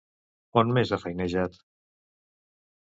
On més ha feinejat?